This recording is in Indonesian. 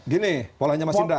gini polanya masih